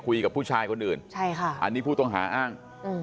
คุยกับผู้ชายคนอื่นใช่ค่ะอันนี้ผู้ต้องหาอ้างอืม